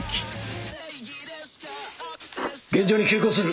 現場に急行する。